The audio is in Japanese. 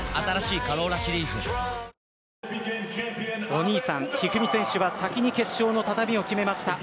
お兄さん、一二三選手は先に決勝の畳を決めました。